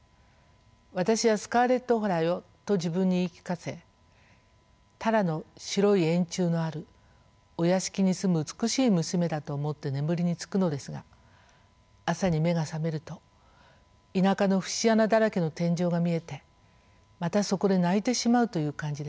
「私はスカーレット・オハラよ」と自分に言い聞かせタラの白い円柱のあるお屋敷に住む美しい娘だと思って眠りにつくのですが朝に目が覚めると田舎の節穴だらけの天井が見えてまたそこで泣いてしまうという感じでした。